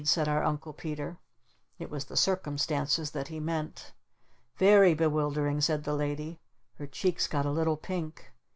said our Uncle Peter. It was the "circumstances" that he meant. "Very bewildering," said the Lady. Her cheeks got a little pink.